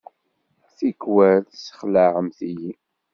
Tikkal, tessexlaɛemt-iyi.